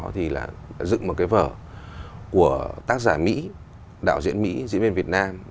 thì là dựng một cái vở của tác giả mỹ đạo diễn mỹ diễn viên việt nam